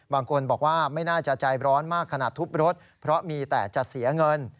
บางคนบอกว่าไม่น่าจะใจร้อนมากขนาดทุบรถเพราะมีแต่จะเสียเงิน